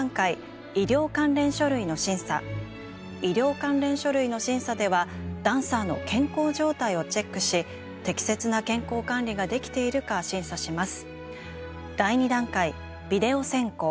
「医療関連書類の審査」ではダンサーの健康状態をチェックし適切な健康管理ができているか審査します。